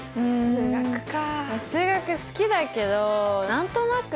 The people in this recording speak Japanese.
数学か。